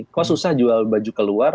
kok susah jual baju keluar